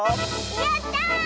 やった！え？